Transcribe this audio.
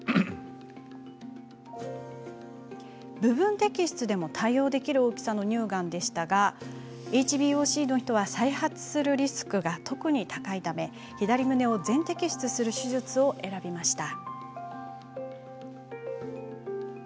部分摘出でも対応できる大きさの乳がんでしたがＨＢＯＣの人は再発するリスクが特に高いため左胸を全摘出する手術を選びました。